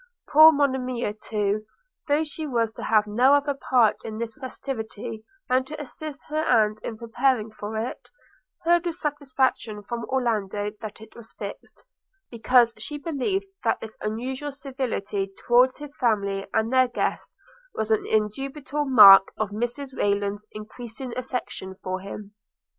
Poor Monimia too, though she was to have no other part in this festivity than to assist her aunt in preparing for it, heard with satisfaction from Orlando that it was fixed, because she believed that this unusual civility towards his family and their guest was an indubitable mark of Mrs Rayland's increasing affection for him.